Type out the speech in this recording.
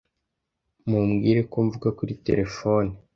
Mubwire ko mvuga kuri terefone.